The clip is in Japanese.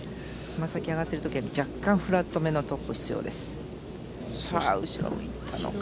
爪先上がっているときは若干、フラットめのトップが必要です。